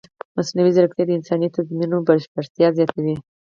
مصنوعي ځیرکتیا د انساني تصمیمونو بشپړتیا زیاتوي.